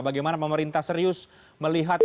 bagaimana pemerintah serius melihat